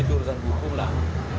itu urusan hukum lah